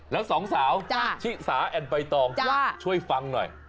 แล้วสองสาวชิสาแอ่นใบตองช่วยฟังหน่อย